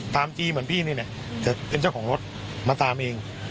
จีเหมือนพี่นี่แหละจะเป็นเจ้าของรถมาตามเอง